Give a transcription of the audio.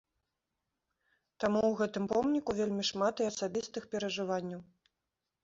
Таму ў гэтым помніку вельмі шмат і асабістых перажыванняў.